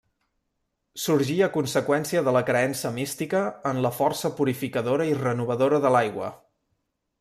Sorgí a conseqüència de la creença mística en la força purificadora i renovadora de l'aigua.